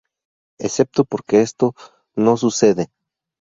Excepto porque esto, no sucede.